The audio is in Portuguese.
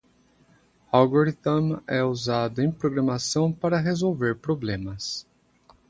Algorithm é usado em programação para resolver problemas.